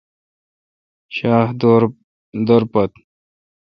شاَ خ دور پے°